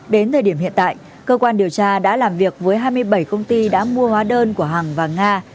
đến thời điểm hiện tại cơ quan điều tra đã làm việc với hai mươi bảy công ty đã mua hóa đơn của hằng và nga